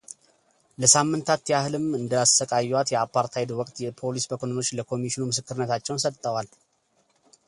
ለሳምንታት ያህልም እንዳሰቃይዋት የአፓርታይድ ወቅት የፖሊስ መኮንኖች ለኮሚሽኑ ምስክርነታቸውን ሰጥተዋል።